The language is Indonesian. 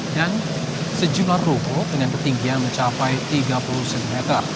dan sejumlah rokok dengan ketinggian mencapai tiga puluh cm